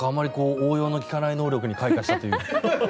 応用の利かない能力に開花したという。